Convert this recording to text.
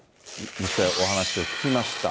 実際、お話を聞きました。